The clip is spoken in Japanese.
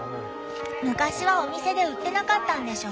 昔はお店で売ってなかったんでしょ？